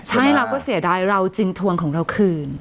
ใช่เราก็เสียดายเราจึงทวงของเราคืน